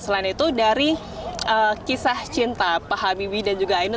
selain itu dari kisah cinta pak habibie dan juga ainun